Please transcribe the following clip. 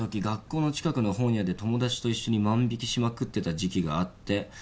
学校の近くの本屋で友達と一緒に万引きしまくってた時期があって」